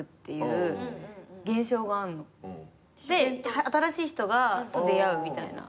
で新しい人と出会うみたいな。